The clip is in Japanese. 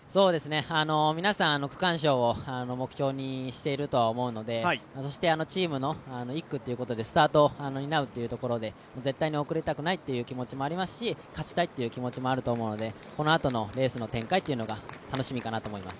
皆さん区間賞を目標にしていると思うのでチームの１区ということでスタートを担うというところで、絶対に遅れたくないという気持ちもありますし、勝ちたいという気持ちもあると思うのでこのあとのレースの展開というのが楽しみかなと思います。